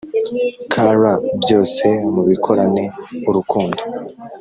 Kr byose mubikorane urukundo